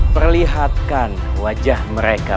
perlihatkan wajah mereka